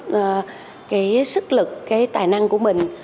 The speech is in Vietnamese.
cái sức lực cái tài năng cái sức lực của mình để mình có thể đạt được cái kỹ năng của mình